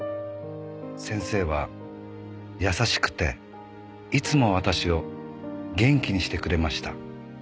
「先生は優しくていつも私を元気にしてくれました」